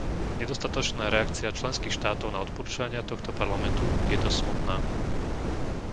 Nedostatočná reakcia členských štátov na odporúčania tohto Parlamentu je dosť smutná.